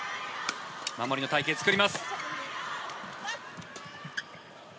守りの隊形を作ります。